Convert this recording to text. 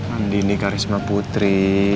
andi nih karisma putri